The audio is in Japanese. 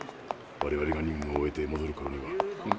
我々が任務を終えてもどるころには。